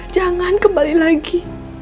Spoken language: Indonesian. jangan kembali lagi